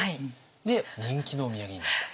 で人気のお土産になったと。